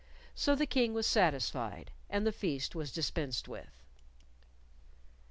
So the King was satisfied, and the feast was dispensed with.